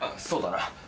そうだな。